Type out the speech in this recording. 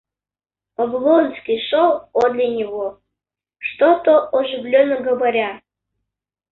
Облонский шел подле него, что-то оживленно говоря.